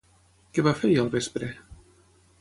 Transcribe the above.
Què va fer ahir al vespre?